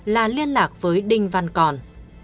là liên lạc với đinh văn còn